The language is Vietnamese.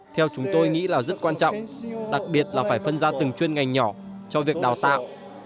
theo chúng tôi nghĩ là rất quan trọng đặc biệt là phải phân ra từng chuyên ngành nhỏ cho việc đào tạo